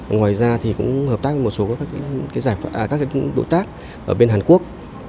ngoài ra cũng hợp tác với một số các đối tác bên hàn quốc